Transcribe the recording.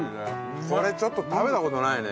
これちょっと食べた事ないね